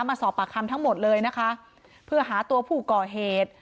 มาสอบปากคำทั้งหมดเลยนะคะเพื่อหาตัวผู้ก่อเหตุ